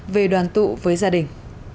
về đoàn tụ với gia đình